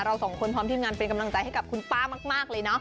เราสองคนพร้อมทีมงานเป็นกำลังใจให้กับคุณป้ามากเลยเนาะ